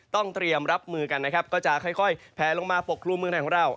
ต้องเตรียมรับมือกันนะครับก็จะค่อยแผลลงมาปกครุมเมืองไทยของเรา